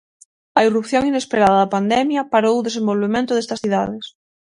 A irrupción inesperada da pandemia parou o desenvolvemento destas cidades.